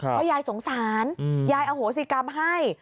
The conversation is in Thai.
เพราะยายสงสารยายอโหสิกรรมให้